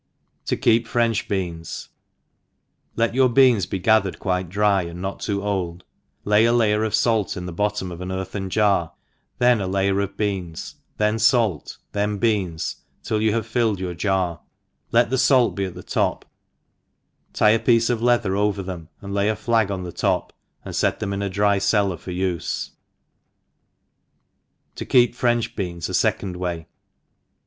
To keep French Bean;s. LET your beans be gathered quite dry, and not too old, lay a layer of fait in the bottom of an earthen jar, then a layer of beans, then fait, A a 4 then 360 THE EXPERIENCED then beai2S» till you have filled you jar : let tho fait be at the top« tie a piece of leather over them, and hy a flag on the top« and ftt them in a Avf cellar for u&. To ketf Prbnch BEAinsa^condWay.